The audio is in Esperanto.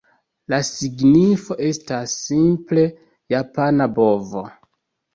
La signifo estas, simple, "japana bovo".